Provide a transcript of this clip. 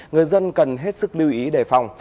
người dân cần hết sức lưu ý đề phòng